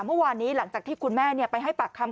เมื่อวานนี้หลังจากที่คุณแม่ไปให้ปากคำ